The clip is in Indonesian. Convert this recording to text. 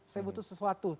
saya butuh sesuatu